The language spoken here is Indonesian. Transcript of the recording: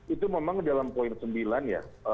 itu memang dalam poin sembilan ya